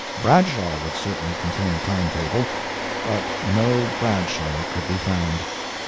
Bradshaw would certainly contain a time table; but no Bradshaw could be found.